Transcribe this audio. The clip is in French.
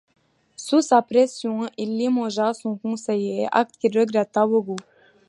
Sous sa pression, il limogea son conseiller, acte qu'il regretta beaucoup.